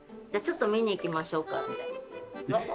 じゃあちょっと見に行きましょうかみたいな。